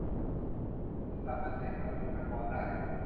คุณสามารถใช้วันหยุดพักร้อนได้